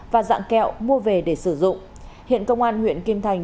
và dạng kẹo mua về để sử dụng hiện công an huyện kim thành